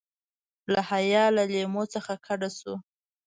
له حیا له لیمو څخه کډه شو.